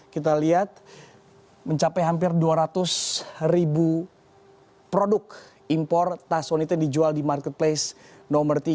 kita lihat mencapai hampir dua ratus ribu produk impor tas wanita yang dijual di marketplace nomor tiga